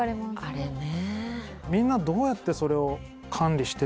あれね